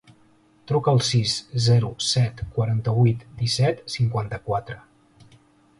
Truca al sis, zero, set, quaranta-vuit, disset, cinquanta-quatre.